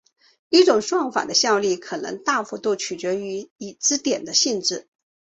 一种算法的效率可能大幅度取决于已知点的性质。